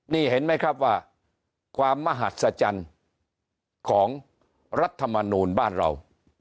นี่เห็นไหมครับว่าความมหัศจรรย์ของรัฐมนูลบ้านเรา